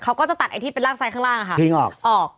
เขาก็จะตัดไอ้ที่เป็นรากซ้ายข้างล่างอะค่ะทิ้งออกออก